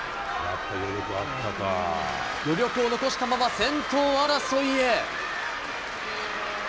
余力を残したまま、先頭争いへ。